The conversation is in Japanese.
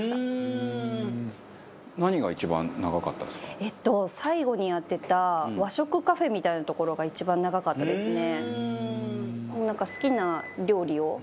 松本：最後にやってた和食カフェみたいなところが一番長かったですね。